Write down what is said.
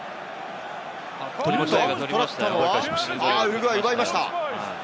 奪ったのはウルグアイ、奪いました。